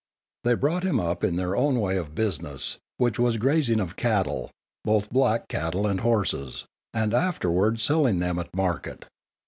They brought him up in their own way of business, which was grazing of cattle (both black cattle and horses), and afterwards selling them at market.